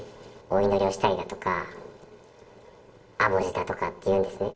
お祈りをしたりだとか、アボジだとか言うんですね。